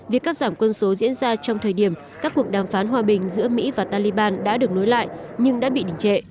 việc cắt giảm quân số diễn ra trong thời điểm các cuộc đàm phán hòa bình giữa mỹ và taliban đã được nối lại nhưng đã bị đỉnh trệ